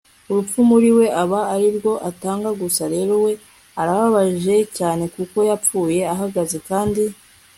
urupfu muri we, aba ari rwo atanga ; gusa rero we arababaje cyane, kuko yapfuye ahagaze, kandi